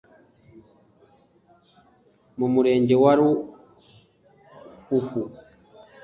mu Murenge wa Ruhuhu